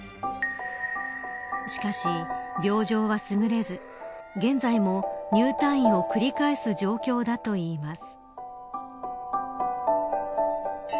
しかし、病状はすぐれず現在も入退院を繰り返す状況だといいます。